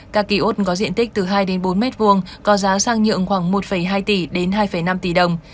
các ký ốt có diện tích từ hai bốn mét vuông có giá sang nhượng khoảng một hai tỷ đến hai năm tỷ đồng